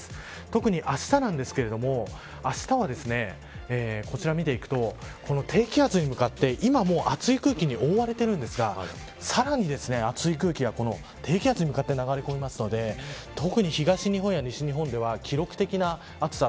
特にあしたなんですけどあしたは、こちら見ていくと低気圧に向かって今も熱い空気に覆われているんですがさらに熱い空気が低気圧に向かって流れ込むので特に東日本や西日本では記録的な暑さ。